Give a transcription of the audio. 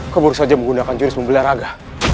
kau baru saja menggunakan jurus membelah raga